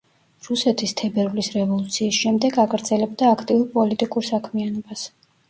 რუსეთის თებერვლის რევოლუციის შემდეგ აგრძელებდა აქტიურ პოლიტიკურ საქმიანობას.